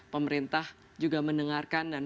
pemerintah juga mendengarkan dan